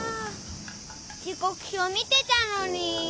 時こくひょう見てたのに。